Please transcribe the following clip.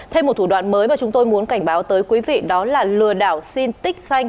thêm một thủ đoạn mới mà chúng tôi muốn cảnh báo tới quý vị đó là lừa đảo xin tích xanh